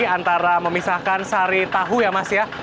antara memisahkan sari tahu ya mas ya